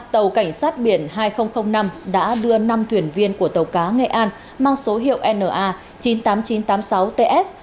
tàu cảnh sát biển hai nghìn năm đã đưa năm thuyền viên của tàu cá nghệ an mang số hiệu na chín mươi tám nghìn chín trăm tám mươi sáu ts